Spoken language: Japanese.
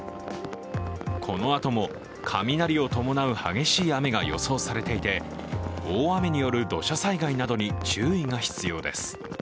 このあとも雷を伴う激しい雨が予想されていて、大雨による土砂災害などに注意が必要です。